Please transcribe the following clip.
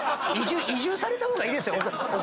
移住された方がいいですよ。